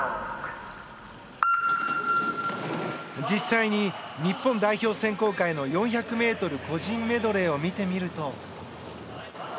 実際に日本代表選考会の４００ｍ個人メドレーを見てみると。